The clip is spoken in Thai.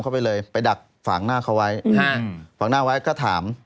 อออไปเปลี่ยนเสื้อผ้าครับ